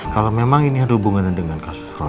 kalo memang ini ada hubungannya dengan kasus roy